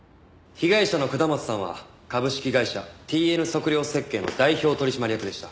被害者の下松さんは株式会社ＴＮ測量設計の代表取締役でした。